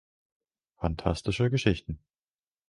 Phantastische Geschichten.